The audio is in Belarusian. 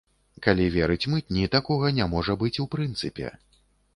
Калі верыць мытні, такога не можа быць у прынцыпе.